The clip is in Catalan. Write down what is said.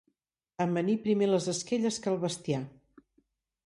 Amanir primer les esquelles que el bestiar.